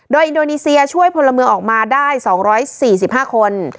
โดยอินโดนีเซียช่วยพลเมืองออกมาได้๒๔๕คน